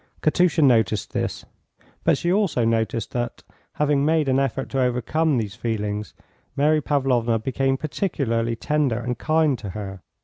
Katusha noticed this, but she also noticed that, having made an effort to overcome these feelings, Mary Pavlovna became particularly tender and kind to her.